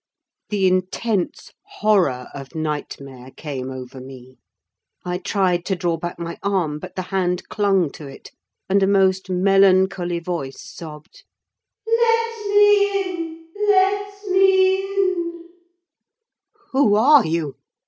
The intense horror of nightmare came over me: I tried to draw back my arm, but the hand clung to it, and a most melancholy voice sobbed, "Let me in—let me in!" "Who are you?"